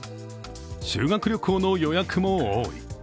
修学旅行の予約も多い。